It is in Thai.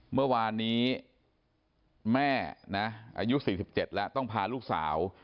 เมื่อวานนี้แม่นะอายุ๔๗แล้วต้องพาลูกสาว